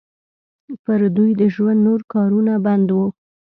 پر دوی د ژوند نور کارونه بند وو.